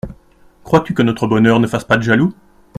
Crois-tu que notre bonheur ne fasse pas de jaloux ?